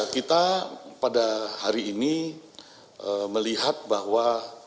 kita pada hari ini melihat bahwa